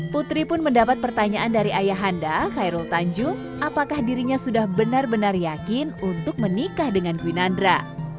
putri pun mendapat pertanyaan dari ayahanda khairul tanjung apakah dirinya sudah benar benar yakin untuk menikah dengan gwinandra